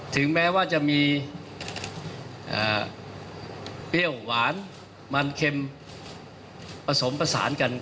ถึงแม้ว่าจะมีเปรี้ยวหวานมันเค็มผสมผสานกัน